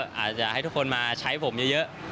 อาจจะให้ทุกคนมาใช้ผมเยอะ